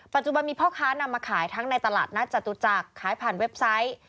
ปัจจุบันมีพ่อค้านำมาขายทั้งในตลาดนัดจตุจักรขายผ่านเว็บไซต์